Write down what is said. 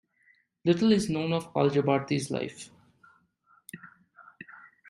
Little is known of Al-Jabarti's life.